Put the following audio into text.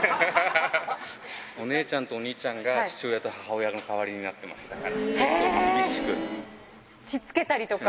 お姉ちゃんとお兄ちゃんが父親と母親の代わりになってます、しつけたりとか。